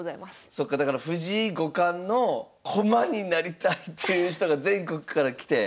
そっかだから藤井五冠の駒になりたいっていう人が全国から来て。